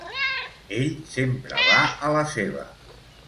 Ell sempre va a la seva.